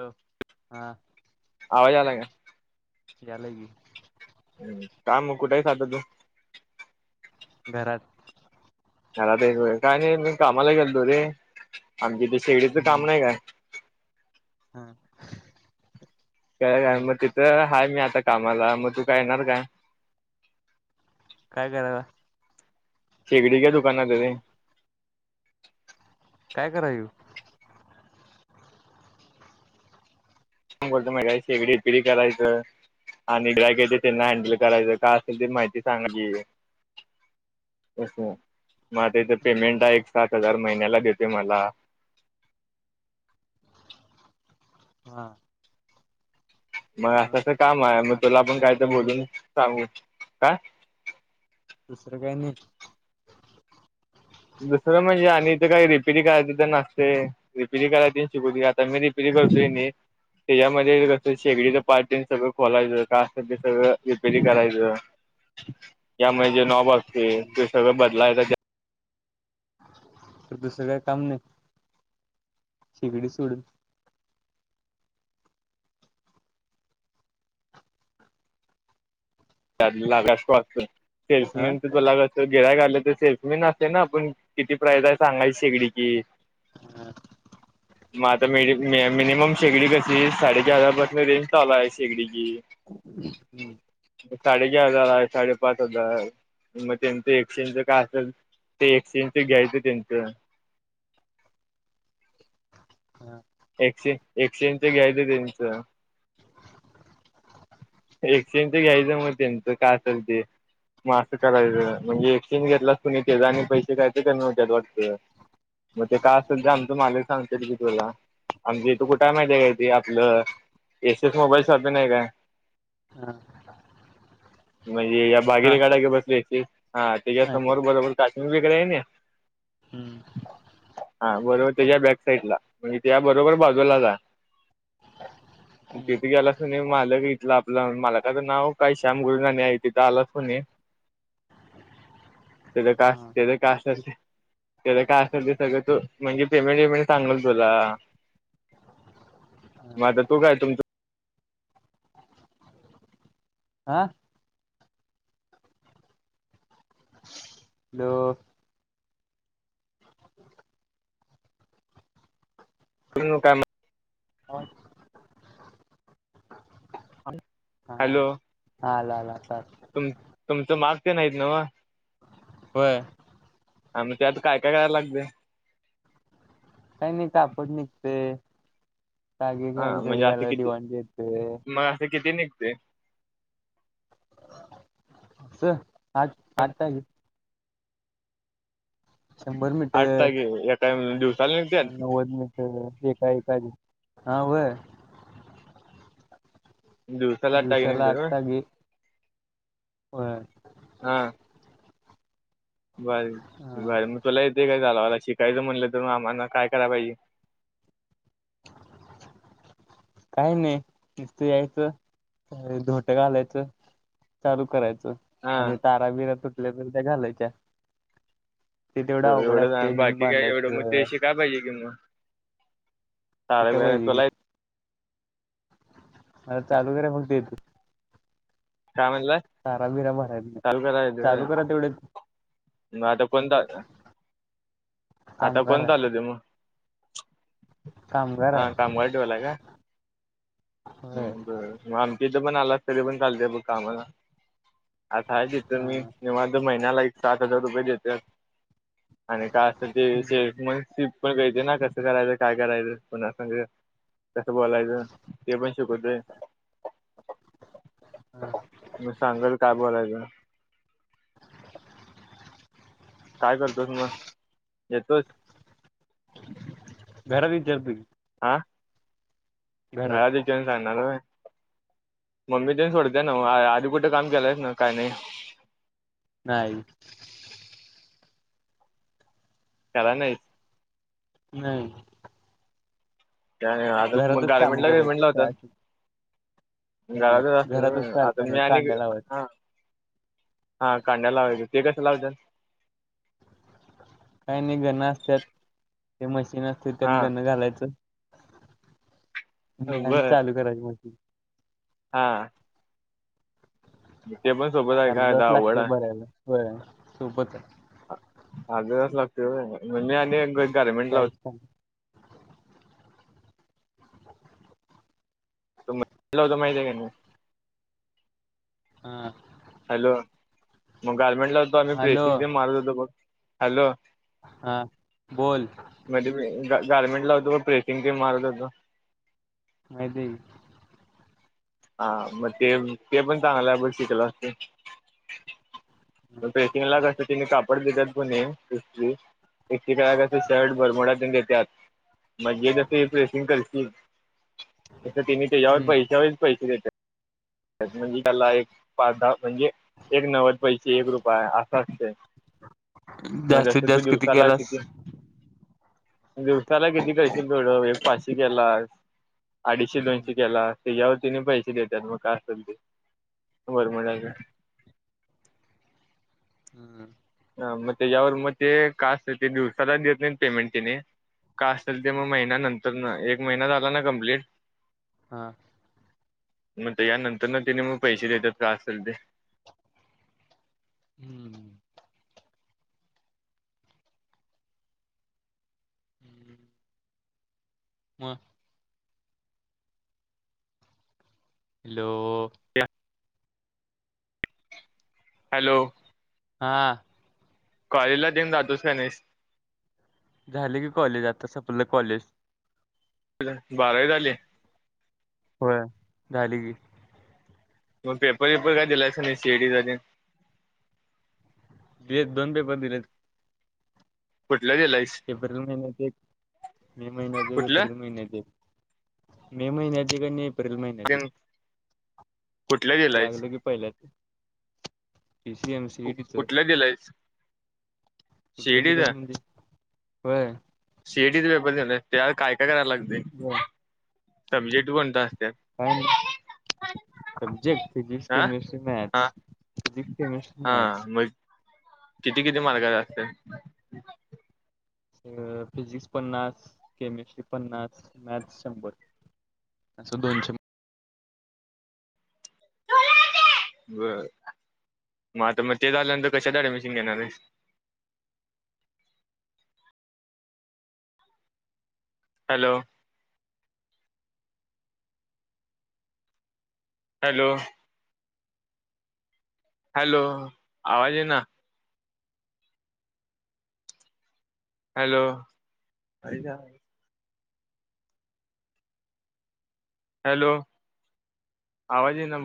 Hello हा आवाज आला का? यायलाय की. का मग कुठ हायस आता तू? घरात. मला काय नाही मी कामाला गेलतो रे. आम- च शेगडीच काम नाही काय. हम. काय काय मग तिथं हाय मग मी, आता कामाला मग तू काय येणार काय? काय करायला? शेगडीच्या दुकानात आहे रे. काय कराय येऊ? बोलतो मगाय शेगडी रिपेअरी करायचं. आणि काय काही ते त्यांना हँडल करायचं, का असेल ते माहिती सांगायची. कस मग त्याच हा पेमेंट एक सात हजार महिन्याला देते मला. हा. मग असंच काम आहे, मग आणि तुला आपण दुसरं काय तर नाही बोलून सांगू का? दुसरं काही नाही. दुसरं म्हणजे आणि इथ काही रिपेअरी करायच तेन असतय, रिपेअरी करायला तेन शिकवती आता मी रिपेअरी करतय की नाही, तेज्यामध्ये शेगडीच पार्ट तेन सगळं खोलायचं, काय आसल ते सगळं रिपेअरी करायचं यामध्ये जे नॉब असतय, ते सगळं बदलायच. दुसरं काय काम नाही, शेगडी सोडून त्यात लागणार स्टाफ च, हा सेल्समन च तुला कसं गिराईक आलतर सेल्समेन असतय ना आपण, किती प्राईज आहे सांगायची शेगडी ची हा, मग आता मिनिमम शेगडी कशी साडे चार हजार पाासून रेंज चालू आय शेगडीची हम्म, साडे चार हजार आहे. साडेपाच हजार मग त्यांचं एक्सचेंज काय असेल, ते एक्सचेंजच घ्यायचं त्यांचं, [inaudible] हा, एक्सचेंज, एक्सचेंज च घ्यायचं त्यांचं. एक्सचेंज च घ्यायचं मग त्यांचं काय असेल ते. मग असं करायचं, म्हणजे एक्सचेंज घेतलास तु नाई त्याजं आणि पैसे काय तर कमी हुत्यात वाटत. मग ते काय असेल ते आमच मालक सांग ी तुला आमच ईथ कुठाय माहिती आहे काय? ते आपलं, एस, एस मोबाईल शॉपी नाही काय? म्हणजे या हा भाग्यरेखा टाकी पसल एस एस हा त्याच्या माहित समोर बरोबर काश्मीर वगैरे आहे नाई हा बरोबर, त्याच्या बॅक साइड ला.. म्हणजे त्या बरोबर बाजूला जा, तिथे हा गेलास की नाही मालक इथला आपला मला का तर नाव, काही श्याम गुरुनाणी आहे तिथं आलंस कनी तेज काय ते काय असणार. त्याला काय असेल ते सगळ तू, म्हणजे पेमेंट बिमेंट सांगल तुला मग आता तू काय तुमच? आह [unintelligible] हॅलो.. काय मऽऽ हा आणि, हा आला आला. आता तुम तुमचं माग तेन आहीत नवं... वयय. आनी त्यात काय काय करायला लागतयऽऽ काही नाही कापड निघते टागे घाल हा,, घडी म्हणजे असं घाला किती? दिवाण येते मग असंऽऽ किती निघतेय अस, ह आठ तागं. शंभर आठ मीटर, टाके एका दिवसाला निघत्यात नव्वद मीटर एकऽऽ काही काज हा वय आठ टाके दिवसाला निघत्यात आठ होय तागे हां,, बर हा बर, मग तुला येतय काय? चालवायला शिकायचं म्हणलं, तर आम्हाना काय कराय पाहिजे? [unintelligible] काही नाही,, नूसत यायचं, धोट घालायचं, चालू करायच हा आणि तारा बिरा तुटल्या तरी त्या घालायच्या. ते तेवढा अवघड एवढंच असतय आणि बिंब बाकी काय एवढं मग बांधायचं, ते सार शिकाय बर पाहिजे की तुलाऽऽ मला चालू कराय फक्त एतय ऽऽ काय म्हणला? भरायच नाही चालु कराय येतंय चालू होय. करा तेवढे मग आता कोणता आला? आता कामगार कोण आहे चालतय मग? कामगार आहे हा कामगार ठेवालाय का? होय बर म आम [inaudible] पण आला तरी पण चालते बघ कामाला, आता ह तिथ हा मी निवां [inaudible] महिन्याला एक सात हजार रुपये देतात. आणि काय असत ते शेफमन - पण योजना कसं करायचं? काय करायचं? पुन्हा सांग. तसं बोलायचं ते पण शिकवते. मी सांगण काय बोलायचं. काय करतोस? मग येतोस? घरी विचारतो कि. ह घरातल्यांना विचारून सांगणार होय. मम्मी तेन सोडतीय ना आधी कुठे काम केलंयच ना काय नाही? नाही. करायला नाहीच? नाही. काय नाही आता त मग घरातच काम गारमेंटला करायचं बिरमेंटला म्हटलं का म्हटलं काय होत? नाही घरातच घरातच असतोय आता कारखाना मी आणि कांड्या लावायच हा हा कांड्या लावुया की. ते कसं लावतात? काही नाही गण असतेत. ते मशीन असते त्यात हा गणं घालायचं. नाही आणि बर चालू करायची मशीन. हा. ते पण सोपच हाय काय अर्धा तास अवगड लागते हाय? भरायला होय सोपच आहे हा अर्धा तास लागतोय होय म्हणजे आम्ही एक गारमेंट ला काहीच काम तुम्हाला [inaudible] माहीत हाय काय नाही? हा. हॅलो मग गारमेंटलाआलतो आम्ही हॅलो प्रेसिंग ते मारत होतो बघ हॅलो हा बोल गारमेंटला होतो बघ प्रेसिंग तेन मारत होतो. माहितीय कि हा मग ते ते पण चांगलं आपण शिकलो असतो. मग प्रेसिंगला करतेत कापड देतेत का नाही? एक एक वेळा काय ग शर्ट बरमुडातेन देतात म्हणजे कसे प्रेसिंग करतील. तिने त्याच्यावर हम्म पैशांवर पैसे देतात म्हणजे त्याला एक पाच दहा म्हणजे एक नव्वद पैसे एक रुपाया असं असतय. मग जास्तीत असं तु जास्त दिवसाला किती? केलास दिवसाला किती करशील थोडं एक पाचशे केलास? अडीचशे दोनशे हम्म केलास त्याच्यावरती त्यानी पैसे देतात मग का? ख [inaudible] बर मजा कर हा. हा मग ते त्याच्यावर मग ते काय असेल ते दिवसाला देत नाही पेमेंट त्यांनी काय असेल ते मग महिन्या नंतर एक महिना झाला ना कंप्लीट हा. मग त्या नंतर ना तिने मग पैसे देतात काय असेल ते हा. हं मग हॅलो. हॅलो. हा. कॉलेज ला तेन जातोस का नाहीस? झालं की कॉलेज आता संपलं कॉलेज. बारावी झाली? होय झाली की मग पेपर बेपर काय दिलायस का नाहीस सीइटी चा तेन? एक दोन पेपर दिलेत. कुठला दिलायस एप्रिल महिन्याचे एक मे महिन्याचे कुठला एप्रिल महिन्याचे मे महिन्यातील एप्रिल महिन्यातील तेन कुठला दिलायस लागलं की पहिल्याच पीसी एमसीच कुठला दिलायस कुठलं दिलास म्हणजे? होय. सीईटी चा पेपर देत्यात त्या काय? काय करायला लागतंय काय सब्जेक्ट कोणतं असत्यात? सबजेक्ट फिजिक्स हा केमिस्ट्री हा मॅथ्स फिजिक्स केमिस्ट्री हा मॅथ्स मग किती किती मार्काच असतात? अ फिजिक्स पन्नास केमिस्ट्री पन्नास मॅथ्स शंभर असं दोनशे बरं. मग आ तर मग ते झाल्यानंतर कशात ऍडमिशन घेणार आहेस? हॅलो. हॅलो. हॅलो आवाज येईना हॅलो. हॅलो आवाज येईना बोल